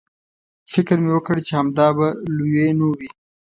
فکر مې وکړ چې همدا به لویینو وي.